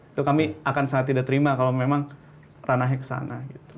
itu kami akan sangat tidak terima kalau memang ranahnya ke sana